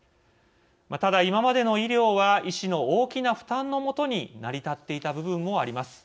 ただ、今までの医療は医師の大きな負担のもとに成り立っていた部分もあります。